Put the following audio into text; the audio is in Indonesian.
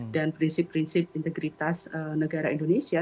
dan prinsip prinsip integritas negara indonesia